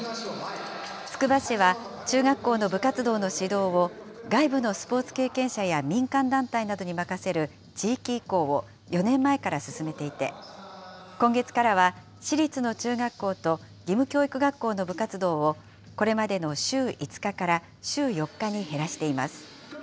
つくば市は中学校の部活動の指導を外部のスポーツ経験者や民間団体などに任せる地域移行を４年前から進めていて、今月からは、市立の中学校と義務教育学校の部活動をこれまでの週５日から週４日に減らしています。